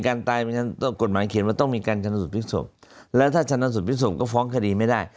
การตายกฎหมายเขียนว่าต้องมีการชนสูตรริกษพและฯถ้าชนสูตรริกษพก็ฟ้องคดีไม่ได้